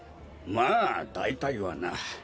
まあ大体はな。